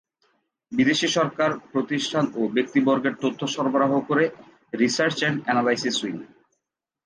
বিদেশী সরকার, প্রতিষ্ঠান ও ব্যক্তিবর্গের তথ্য সরবরাহ করে রিসার্চ অ্যান্ড অ্যানালাইসিস উইং।